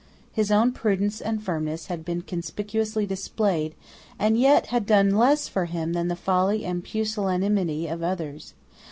His own prudence and firmness had been conspicuously displayed, and yet had done less for him than the folly and pusillanimity of others.